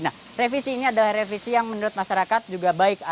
nah revisi ini adalah revisi yang menurut masyarakat juga baik